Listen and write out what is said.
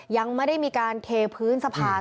ยังไม่ได้มีการเทพื้นสะพาน